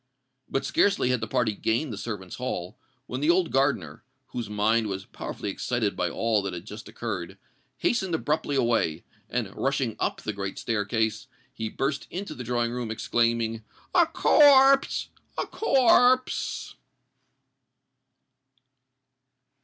But scarcely had the party gained the servants' hall, when the old gardener, whose mind was powerfully excited by all that had just occurred, hastened abruptly away; and, rushing up the great staircase, he burst into the drawing room, exclaiming, "A corpse! a corpse!"